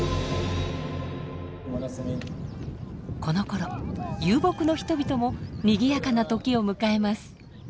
このころ遊牧の人々もにぎやかな時を迎えます。